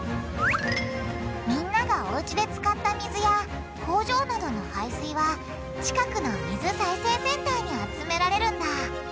みんながおうちで使った水や工場などの廃水は近くの水再生センターに集められるんだ。